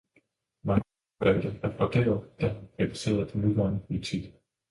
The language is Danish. Mange folkevalgte applauderede, da han kritiserede den nuværende politik.